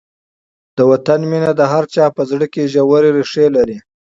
د وطن مینه د هر چا په زړه کې ژورې ریښې لري.